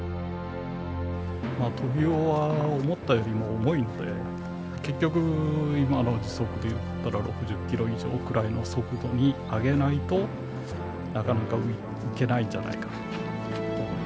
トビウオは思ったよりも重いので結局今の時速で言ったら６０キロ以上くらいの速度に上げないとなかなか浮けないんじゃないかなと思いますね。